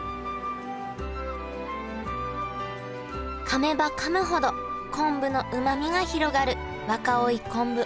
かめばかむほど昆布のうまみが広がる若生昆布